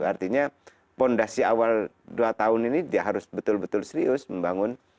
artinya fondasi awal dua tahun ini dia harus betul betul serius membangun